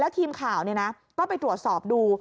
ทีมข่าวก็ไปตรวจสอบดู